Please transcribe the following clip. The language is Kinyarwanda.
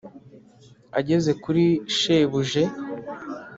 ageze kuri shebuje,